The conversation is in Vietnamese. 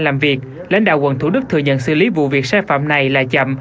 làm việc lãnh đạo quận thủ đức thừa nhận xử lý vụ việc sai phạm này là chậm